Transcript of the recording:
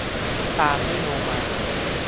ตามด้วยโลมา